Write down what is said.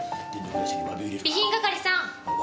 備品係さん。